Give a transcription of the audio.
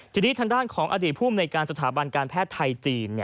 ทีนี้ทางด้านของอดีตภูมิในการสถาบันการแพทย์ไทยจีน